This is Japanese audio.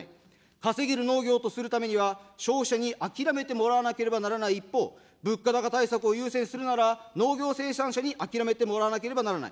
稼げる農業とするためには消費者に諦めてもらわなければならない一方、物価高対策を優先するなら、農業生産者に諦めてもらわなければならない。